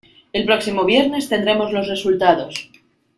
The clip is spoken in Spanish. El próximo viernes tendremos los resultados.